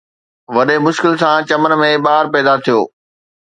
وڏي مشڪل سان چمن ۾ ٻار پيدا ٿيو.